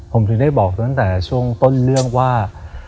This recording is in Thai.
ผมถึงได้บอกตั้งแต่ช่วงต้นเรื่องว่า